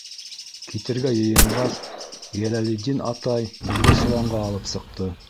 Китергә йыйынғас, Йәләлетдин атай беҙҙе соланға алып сыҡты.